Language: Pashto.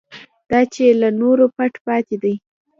دا چې له نورو پټ پاتې دی.